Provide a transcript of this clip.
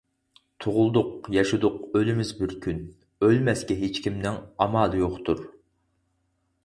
تۇغۇلدۇق، ياشىدۇق ئۆلىمىز بىر كۈن، ئۆلمەسكە ھېچكىمنىڭ ئامالى يوقتۇر.